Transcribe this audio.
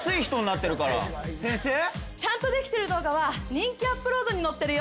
ちゃんとできてる動画は人気アップロードに載ってるよ。